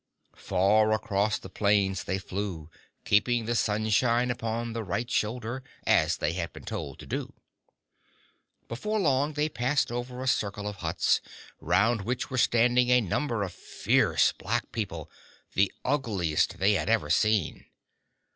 Far across the plains they flew, Keeping the sunshine Upon the right shoulder, as they had been told to do. Before long they passed over a circle of huts, round which were standing a number of fierce, black people the ugliest they had ever seen.